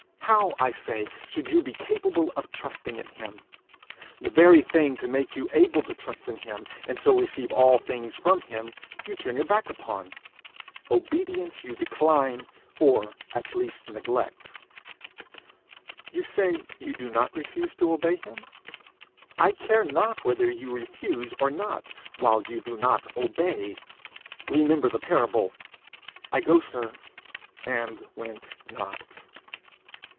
How, I say, should you be capable of trusting in him? The very thing to make you able to trust in him, and so receive all things from him, you turn your back upon: obedience you decline, or at least neglect. You say you do not refuse to obey him? I care not whether you refuse or not, while you do not obey. Remember the parable: 'I go, sir, and went not.'